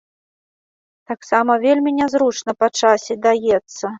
Таксама вельмі нязручна па часе даецца.